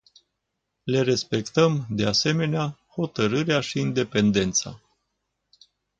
Le respectăm, de asemenea, hotărârea și independența.